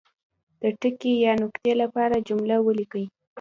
د ټکي یا نقطې لپاره جمله ولیکي.